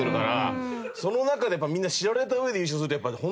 その中でみんな知られた上で優勝するってやっぱね